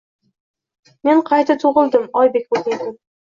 Men qayta tug’ildim Oybek o’lgan kun